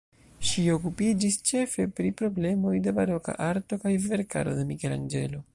Ŝi okupiĝis ĉefe pri problemoj de baroka arto kaj verkaro de Mikelanĝelo.